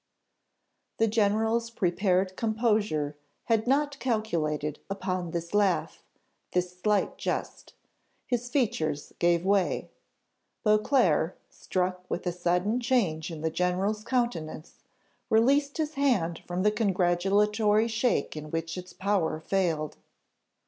The general's prepared composure had not calculated upon this laugh, this slight jest; his features gave way. Beauclerc, struck with a sudden change in the general's countenance, released his hand from the congratulatory shake in which its power failed.